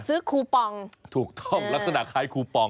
คูปองถูกต้องลักษณะคล้ายคูปอง